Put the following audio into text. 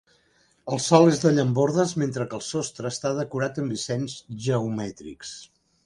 El sòl és de llambordes mentre que el sostre està decorat amb dissenys geomètrics.